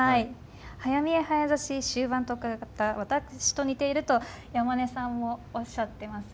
「早見え早指し終盤特化型私と似ている」と山根さんもおっしゃってます。